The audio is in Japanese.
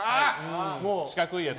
四角いやつ。